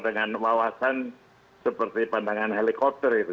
dengan wawasan seperti pandangan helikopter itu